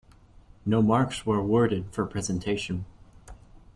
No marks are awarded for presentation.